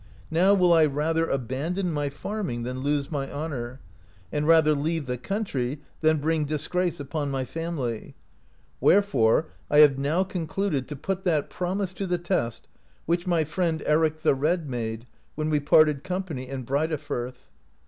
Now will I rather abandon my farming than lose my honour, and rather leave the country than bring disgrace upon my family; wherefore I have now concluded to put that promise to the test, which my friend Eric the Red made, when we parted company in Breidafirth.